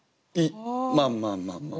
まあまあまあまあ。